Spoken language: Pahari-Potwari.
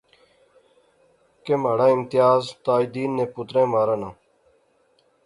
کہ مہاڑا امتیاز تاج دین نے پتریں مارانا